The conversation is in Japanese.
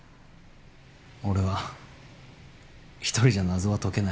俺は１人じゃ謎は解けない。